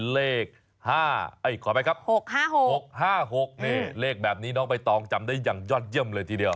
๖๕๖เลขแบบนี้น้องใบตองจำได้อย่างยอดเยี่ยมเลยทีเดียว